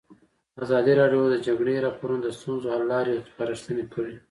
ازادي راډیو د د جګړې راپورونه د ستونزو حل لارې سپارښتنې کړي.